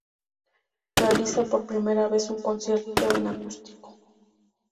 Realiza por primera vez un concierto en acústico.